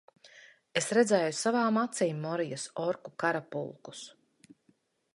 Es redzēju savām acīm Morijas orku karapulkus!